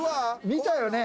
見たよね？